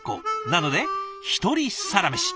なので１人サラメシ。